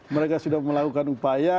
mereka sudah melakukan upaya